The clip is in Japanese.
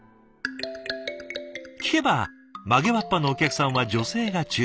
聞けば曲げわっぱのお客さんは女性が中心。